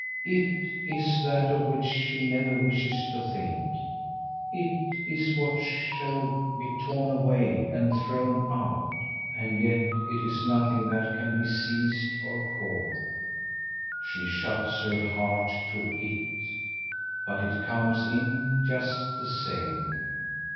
"It" is that of which she never wishes to think. "It" is what shall be torn away and thrown out; and yet it is nothing that can be seized and caught. She shuts her heart to "it," but it comes in just the same.